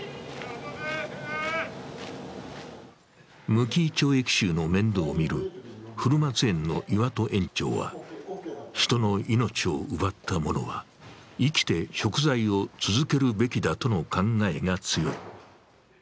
無期懲役囚の面倒を見る古松園の岩戸園長は人の命を奪った者は生きて贖罪を続けるべきだとの考えが強い。